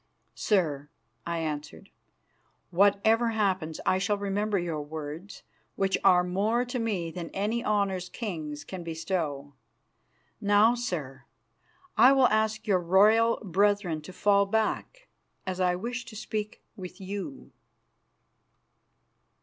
"Sir," I answered, "whatever happens I shall remember your words, which are more to me than any honours kings can bestow. Now, sir, I will ask your royal brethren to fall back, as I wish to speak with you."